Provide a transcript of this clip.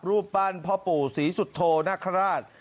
รูปปั้นพ่อปู่ศรีสุโธนาคาราช